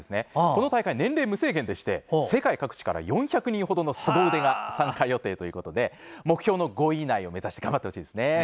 この大会、年齢無制限でして世界各地から４００人ほどのすご腕が参加予定ということで目標の５位以内を目指して頑張ってほしいですね。